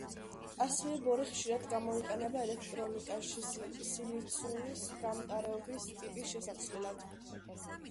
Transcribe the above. ასევე ბორი ხშირად გამოიყენება ელექტრონიკაში სილიციუმის გამტარობის ტიპის შესაცვლელად.